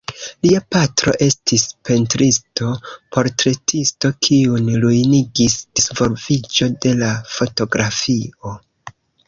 Lia patro estis pentristo-portretisto kiun ruinigis disvolviĝo de la fotografio.